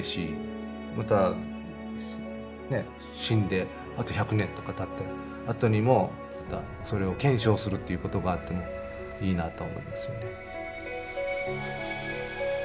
またねえ死んであと１００年とかたったあとにもまたそれを検証するっていうことがあってもいいなと思いますよね。